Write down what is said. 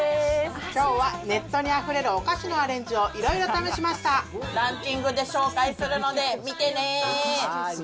きょうはネットにあふれるおかしのアレンジをいろいろ試しまランキングで紹介するので見てね。